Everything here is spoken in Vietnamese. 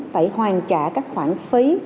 phải hoàn trả các khoản phí